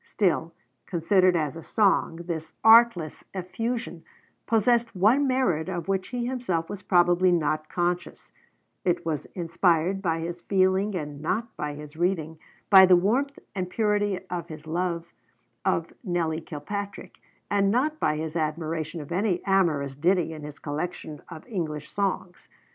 Still, considered as a song, this artless effusion possessed one merit of which he himself was probably not conscious: it was inspired by his feeling and not by his reading, by the warmth and purity of his love of Nelly Kilpatrick, and not by his admiration of any amorous ditty in his collection of English songs.